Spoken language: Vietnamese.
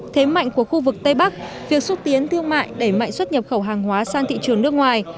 thế mạnh của khu vực tây bắc việc xúc tiến thương mại đẩy mạnh xuất nhập khẩu hàng hóa sang thị trường nước ngoài